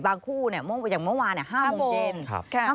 คู่อย่างเมื่อวาน๕โมงเย็น